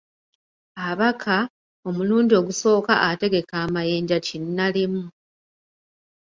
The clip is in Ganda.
Abaka, omulundi ogusooka ategeka amayinja kinnalimu.